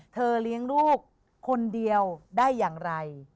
เลี้ยงลูกคนเดียวได้อย่างไร